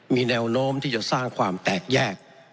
มีแนวโน้มที่จะสร้างความแตกแยก